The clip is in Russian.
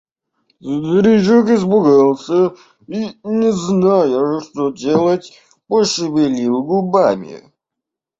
Старичок испугался и, не зная, что делать, пошевелил губами.